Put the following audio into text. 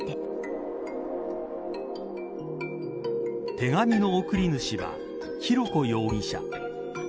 手紙の送り主は浩子容疑者。